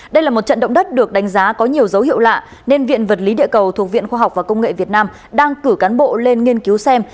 đây là một trận động đất được đánh giá có nhiều dấu hiệu lạ nên viện vật lý địa cầu thuộc viện khoa học và công nghệ việt nam đang cử cán bộ lên nghiên cứu xem